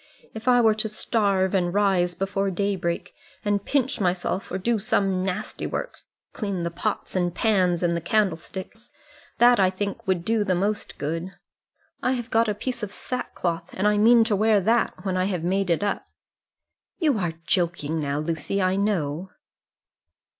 If I were to starve, and rise before daybreak, and pinch myself, or do some nasty work, clean the pots and pans and the candlesticks; that I think would do the most good. I have got a piece of sack cloth, and I mean to wear that, when I have made it up." "You are joking now, Lucy, I know."